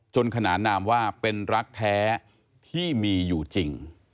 ขนานนามว่าเป็นรักแท้ที่มีอยู่จริง